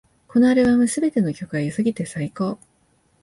このアルバム、すべての曲が良すぎて最高